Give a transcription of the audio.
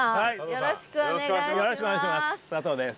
よろしくお願いします佐藤です。